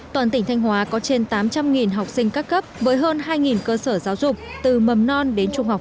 toàn tỉnh thanh hóa có trên tám trăm linh học sinh các cấp với hơn hai cơ sở giáo dục từ mầm non đến trung học